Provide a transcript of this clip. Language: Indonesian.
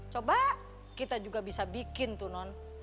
coba kita juga bisa bikin tuh non